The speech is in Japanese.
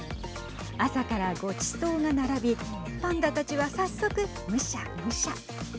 朝からごちそうが並びパンダたちは早速むしゃむしゃ。